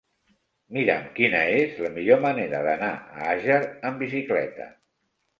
Mira'm quina és la millor manera d'anar a Àger amb bicicleta.